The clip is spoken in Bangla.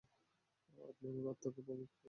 আপনি আমার আত্মাকে পাপমুক্ত করতে বলেছিলেন।